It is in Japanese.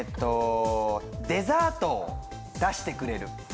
デザートを出してくれる。